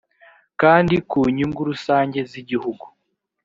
kandi ku nyungu rusange z igihugu